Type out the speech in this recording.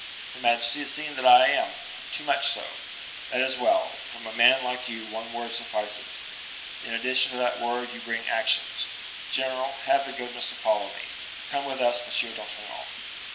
"Your majesty has seen that I am, too much so." "That is well; from a man like you one word suffices. In addition to that word you bring actions. General, have the goodness to follow me. Come with us, M. d'Artagnan."